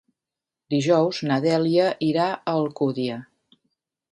Dijous na Dèlia irà a Alcúdia.